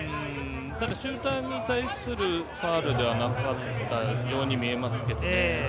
シューターに対するファウルではなかったように見えますけど。